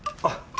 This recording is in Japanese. あっ。